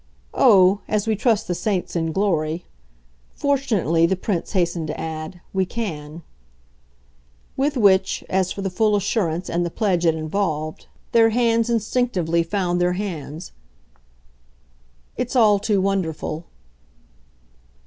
"Oh, as we trust the saints in glory. Fortunately," the Prince hastened to add, "we can." With which, as for the full assurance and the pledge it involved, their hands instinctively found their hands. "It's all too wonderful."